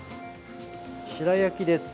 白焼きです。